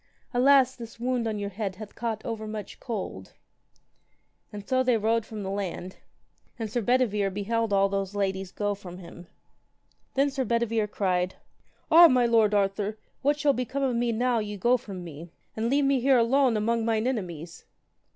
Alas, this wound on your head hath caught over much cold. And so then they rowed from the land; and Sir Bedivere beheld all those ladies go from him. Then Sir Bedivere cried, Ah, my lord Arthur, what shall become of me now ye go from me, and leave me here alone among mine enemies.